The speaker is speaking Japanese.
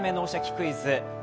クイズ」